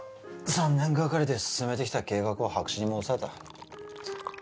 ３年がかりで進めてきた計画を白紙に戻された